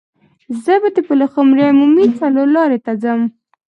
زه به د پلخمري عمومي څلور لارې ته ځم.